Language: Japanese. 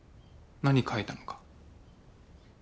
何書いたのか。